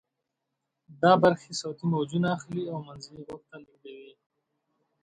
دا برخې صوتی موجونه اخلي او منځني غوږ ته لیږدوي.